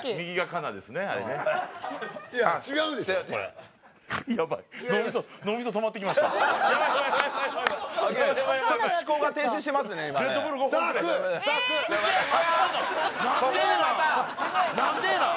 なんでなん？